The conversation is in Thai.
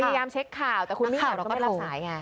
พยายามเช็คข่าวแต่คุณนี่แหละก็ไม่รับสายไง